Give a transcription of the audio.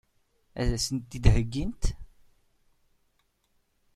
Ad sen-tt-id-heggint?